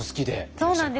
そうなんです